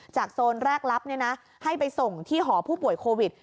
โซนแรกรับให้ไปส่งที่หอผู้ป่วยโควิด